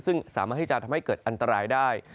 ซึ่งสามารถที่จะทำให้เกิดอันตรายได้